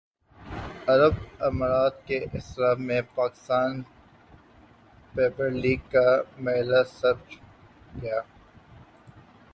عرب امارات کے صحرا میں پاکستان سپر لیگ کا میلہ سج گیا